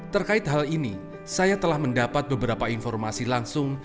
terkait hal ini saya telah mendapat beberapa informasi langsung